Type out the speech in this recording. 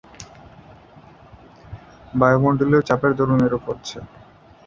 বায়ুমণ্ডলীয় চাপের দরুন এরূপ হচ্ছে।